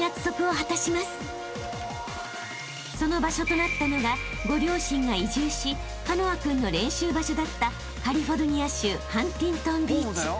［その場所となったのがご両親が移住しカノア君の練習場所だったカリフォルニア州］